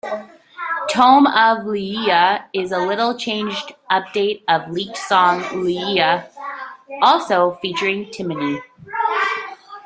"Tomb of Liegia" is a little-changed update of leaked song "Ligeia", also featuring Timony.